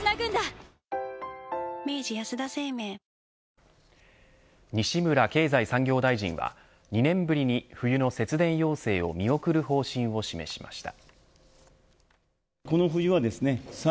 帰れば「金麦」西村経済産業大臣は２年ぶりに冬の節電要請を見送る方針を示しました。